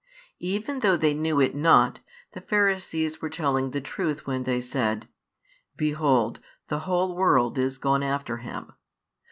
Even though they knew it not, the Pharisees were telling the truth when they said: Behold, the whole world is gone after Him.